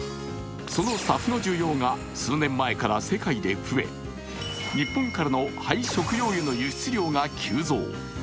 そのＳＡＦの需要が数年前から世界で増え日本からの廃食用油の輸出量が急増。